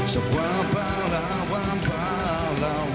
sebuah pelawan pelawan ku